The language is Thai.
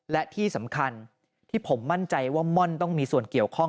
และที่สำคัญที่ผมมั่นใจว่าม่อนต้องมีส่วนเกี่ยวข้อง